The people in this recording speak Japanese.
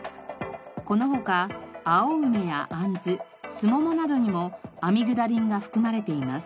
この他青梅やアンズスモモなどにもアミグダリンが含まれています。